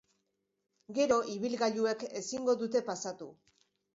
Gero ibilgailuek ezingo dute pasatu.